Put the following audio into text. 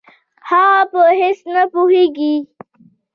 هغه په هېڅ نه پوهېږي.